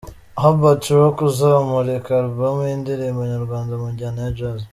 Habert Rock uzamurika Albumu y'indirimbo nyarwanda mu njyana ya Jazz.